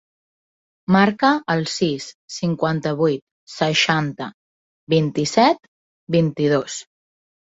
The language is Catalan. Marca el sis, cinquanta-vuit, seixanta, vint-i-set, vint-i-dos.